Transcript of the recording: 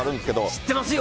知ってますよ。